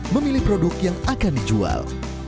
memilih produk yang akan dijual